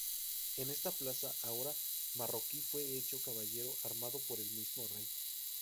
En esta plaza ahora marroquí fue hecho caballero, armado por el mismo rey.